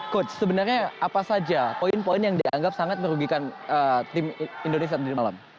coach sebenarnya apa saja poin poin yang dianggap sangat merugikan tim indonesia tadi malam